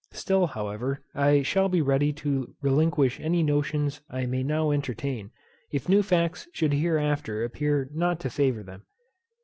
Still, however, I shall be ready to relinquish any notions I may now entertain, if new facts should hereafter appear not to favour them.